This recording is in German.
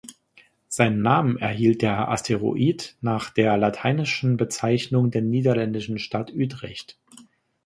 Seinen Namen erhielt der Asteroid nach der lateinischen Bezeichnung der niederländischen Stadt Utrecht.